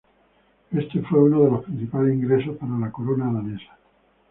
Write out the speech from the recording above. Este fue uno de los principales ingresos para la corona danesa.